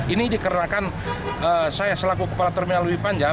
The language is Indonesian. ini dikarenakan saya selaku kepala terminal lebih panjang